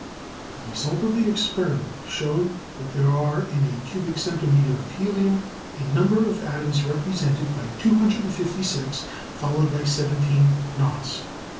The result of the experiment showed that there are in a cubic centimetre of helium a number of atoms represented by 256 followed by seventeen noughts.